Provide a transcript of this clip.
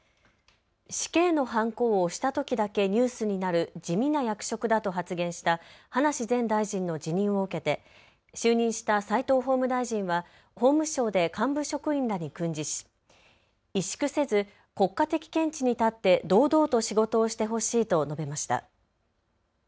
死刑のはんこを押したときだけニュースになる地味な役職だと発言した葉梨前大臣の辞任を受けて就任した齋藤法務大臣は法務省で幹部職員らに訓示し萎縮せず国家的見地に立って堂々と仕事をしてほしいと述べました。